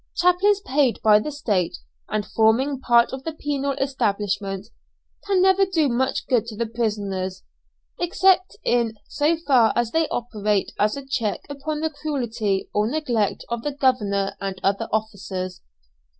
Chaplains paid by the State, and forming part of the penal establishment, can never do much good to the prisoners, except in so far as they operate as a check upon the cruelty or neglect of the governor and other officers.